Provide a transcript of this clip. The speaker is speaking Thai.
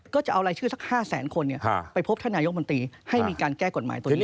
ก็จะเอารายชื่อสัก๕แสนคนไปพบท่านนายกมนตรีให้มีการแก้กฎหมายตัวนี้